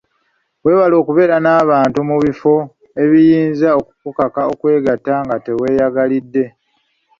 Weewale okubeera n'abantu mu bifo ebiyinza okukukaka okwegatta nga teweeyagalidde.